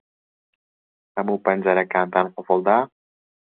ھەموو پەنجەرەکانتان قوفڵ دا؟